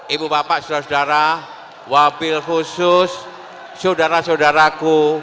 ibu bapak saudara saudara wakil khusus saudara saudaraku